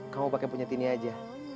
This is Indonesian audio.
kamu pakai punya tini aja